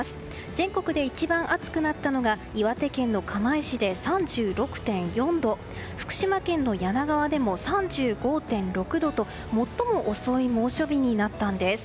全国で一番暑くなったのが岩手県釜石で３６．４度福島県の梁川でも３５．６度と最も遅い猛暑日になったんです。